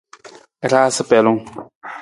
Raasa pelung.